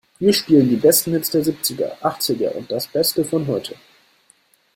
Wir spielen die besten Hits der Siebziger, Achtziger und das Beste von heute!